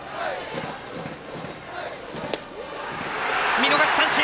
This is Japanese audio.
見逃し三振！